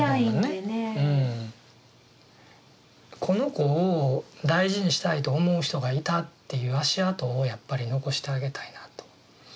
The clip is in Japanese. この子を大事にしたいと思う人がいたっていう足跡をやっぱり残してあげたいなと。